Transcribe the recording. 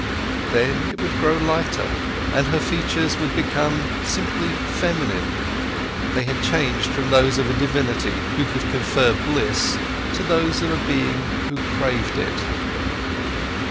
Then it would grow lighter, and her features would become simply feminine; they had changed from those of a divinity who could confer bliss to those of a being who craved it.